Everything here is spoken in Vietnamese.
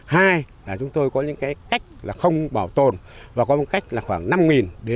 hai là chúng tôi có những cách không bảo tồn và có một cách khoảng năm đến sáu m hai giữ